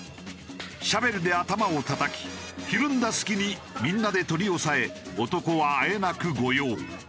シャベルで頭をたたきひるんだ隙にみんなで取り押さえ男はあえなく御用。